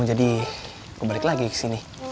jadi gue balik lagi ke sini